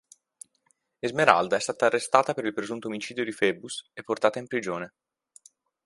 Esmeralda è stata arrestata per il presunto omicidio di Phoebus e portata in prigione.